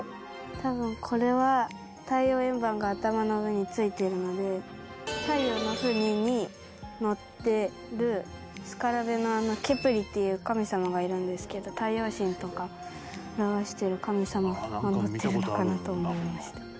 多分これは太陽の船に乗ってるスカラベのケプリっていう神様がいるんですけど太陽神とか表してる神様が守ってるのかなと思いました。